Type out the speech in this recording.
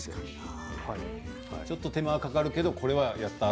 ちょっと手間がかかるけどこれをやったら？